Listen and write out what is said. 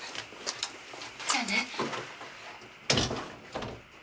じゃあね。